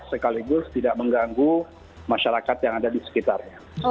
sekaligus tidak mengganggu masyarakat yang ada di sekitarnya